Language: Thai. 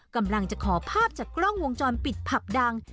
กำลังจะขอภาพจากกล้องวงจรปิดผับดัง